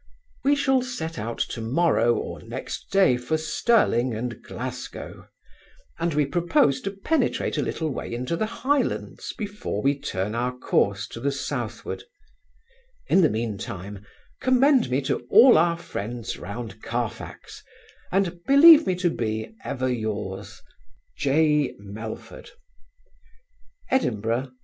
We shall set out to morrow or next day for Stirling and Glasgow; and we propose to penetrate a little way into the Highlands, before we turn our course to the southward In the mean time, commend me to all our friends round Carfax, and believe me to be, ever yours, EDINBURGH, Aug. 8. J. MELFORD To Dr LEWIS.